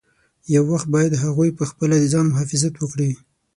یو وخت باید هغوی پخپله د ځان مخافظت وکړي.